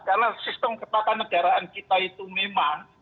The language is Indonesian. karena sistem ketatanegaraan kita itu memang